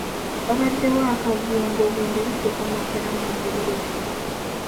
Waabaddewo akavuyo ng'obuwumbi butokomokera mu muliro.